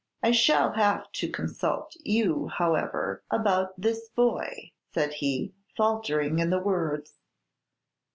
I shall have to consult you, however, about this boy," said he, faltering in the words.